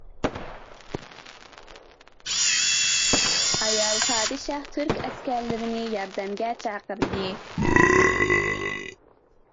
ئايال پادىشاھ تۈرك ئەسكەرلىرىنى ياردەمگە چاقىردى.